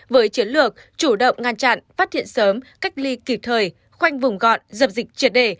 với chiến lược chủ động ngăn chặn phát hiện sớm cách ly kịp thời khoanh vùng gọn dập dịch triệt đề